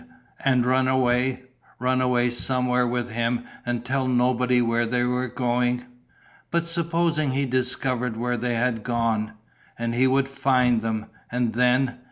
and run away ... run away somewhere with him and tell nobody where they were going.... But supposing he discovered where they had gone! And he would find them!... And then